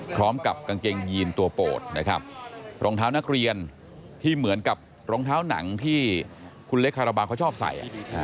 พร้อมกับกางเกงยีนตัวโปรดนะครับรองเท้านักเรียนที่เหมือนกับรองเท้าหนังที่คุณเล็กคาราบาลเขาชอบใส่